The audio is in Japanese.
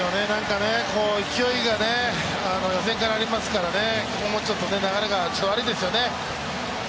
勢いが予選からありますからね、ここもちょっと流れが悪いですよね。